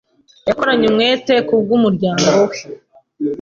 Yakoranye umwete ku bw'umuryango we.